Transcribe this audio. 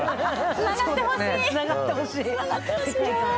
つながって欲しい！